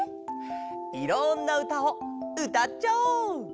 いろんなうたをうたっちゃおう！